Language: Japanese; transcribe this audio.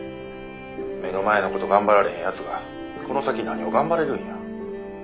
目の前のこと頑張られへんやつがこの先何を頑張れるんや。